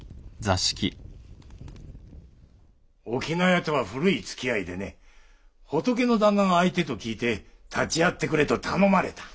翁屋とは古いつきあいでね仏の旦那が相手と聞いて立ち会ってくれと頼まれた。